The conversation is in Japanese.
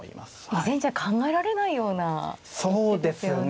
以前じゃ考えられないような一手ですよね。